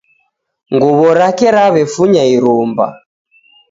Nguw'o rake raw'efunya irumba.